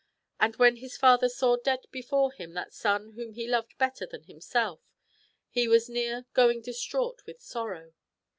And when the father saw tlead before him that son whom he loved better than himself, he was near going dis traught with sorrow.